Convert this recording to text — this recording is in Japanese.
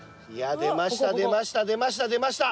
出ました出ました！